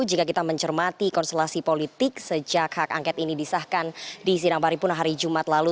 jika kita mencermati konsulasi politik sejak hak angkat ini disahkan di sinangpari puna hari jumat lalu